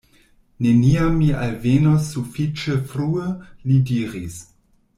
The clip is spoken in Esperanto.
Neniam mi alvenos sufiĉe frue, li diris.